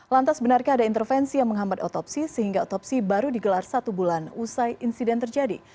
lantas benarkah ada intervensi yang menghambat otopsi sehingga otopsi baru digelar satu bulan usai insiden terjadi